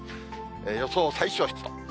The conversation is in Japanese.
予想最小湿度。